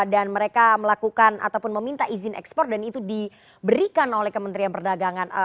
dan mereka melakukan ataupun meminta izin ekspor dan itu diberikan oleh kementerian perdagangan